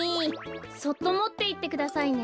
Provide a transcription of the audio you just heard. そっともっていってくださいね。